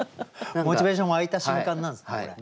モチベーション湧いた瞬間なんすね